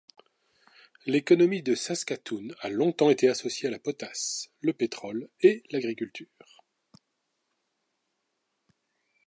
L'économie de Saskatoon a longtemps été associé à la potasse, le pétrole et l’agriculture.